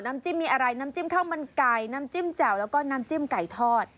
จิ้มมีอะไรน้ำจิ้มข้าวมันไก่น้ำจิ้มแจ่วแล้วก็น้ำจิ้มไก่ทอด